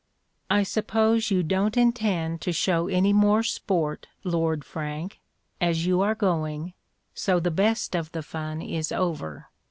"I suppose you don't intend to show any more sport, Lord Frank, as you are going, so the best of the fun is over.